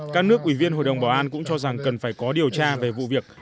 các nước ủy viên hội đồng bảo an cũng cho rằng cần phải có điều tra về vụ việc